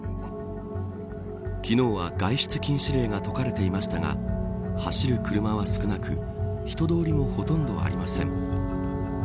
昨日は外出禁止令が解かれていましたが走る車は少なく人通りもほとんどありません。